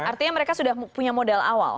artinya mereka sudah punya modal awal